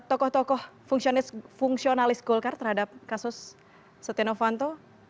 tokoh tokoh fungsionalis golkar terhadap kasus setia novanto